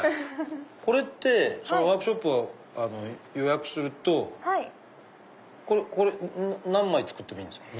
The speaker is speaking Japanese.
これってワークショップ予約すると何枚作ってもいいんですか？